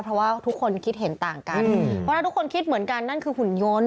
เพราะว่าทุกคนคิดเห็นต่างกันเพราะถ้าทุกคนคิดเหมือนกันนั่นคือหุ่นยนต์